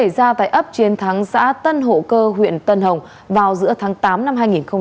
ra tại ấp chiến thắng xã tân hộ cơ huyện tân hồng vào giữa tháng tám năm hai nghìn hai mươi